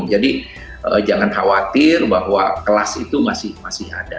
jadi jangan khawatir bahwa kelas itu masih ada